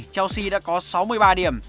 chelsea đã có sáu mươi ba điểm